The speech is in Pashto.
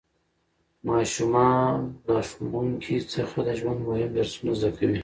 ماشومان له ښوونکي څخه د ژوند مهم درسونه زده کوي